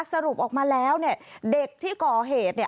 สรุปออกมาแล้วเนี่ยเด็กที่ก่อเหตุ